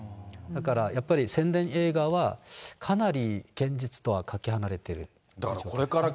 だからやっぱり、宣伝映画はかなり現実とはかけ離れてる気がしますね。